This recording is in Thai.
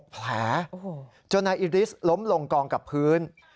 แผลจนนายอิริสล้มลงกองกับพื้น